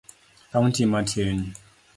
kaunti matin.